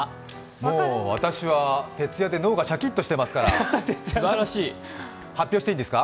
もう私は徹夜で脳がシャキっとしていますから、発表していいですか？